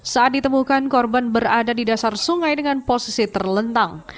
saat ditemukan korban berada di dasar sungai dengan posisi terlentang